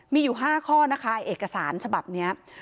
มีอยู่๕ข้อนะคะเอกสารฉบับนี้